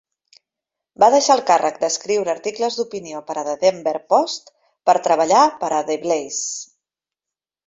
Va deixar el càrrec d'escriure articles d'opinió per a "The Denver Post" per treballar per a TheBlaze.